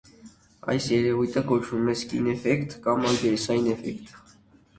Այս երևույթը կոչվում է սքին էֆեկտ , կամ մակերեսային էֆեկտ։